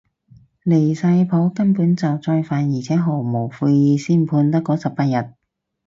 離晒譜，根本就再犯而且毫無悔意，先判得嗰十八日